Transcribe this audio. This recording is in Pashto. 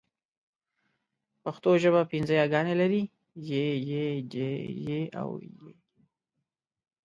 پښتو ژبه پینځه یاګانې لري: ی، ي، ئ، ې او ۍ